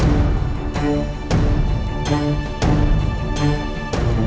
kamu bisa jadiin keras